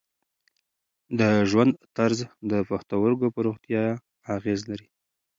د ژوند طرز د پښتورګو پر روغتیا اغېز لري.